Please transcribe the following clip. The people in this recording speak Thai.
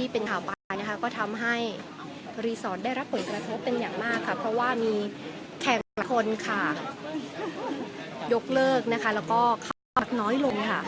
ที่เป็นข่าวปลานะคะก็ทำให้รีสอร์ทได้รับผลกระทบเป็นอย่างมากค่ะเพราะว่ามีแข่งคนค่ะยกเลิกนะคะแล้วก็เข้าพักน้อยลงค่ะ